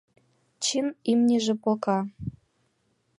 Чын, имньыже плока.